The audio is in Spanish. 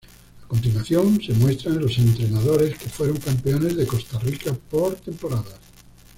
A continuación se muestran los entrenadores que fueron campeones de Costa Rica por temporadas.